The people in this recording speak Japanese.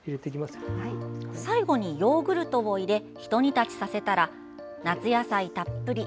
最後にヨーグルトを入れひと煮立ちさせたら夏野菜たっぷり！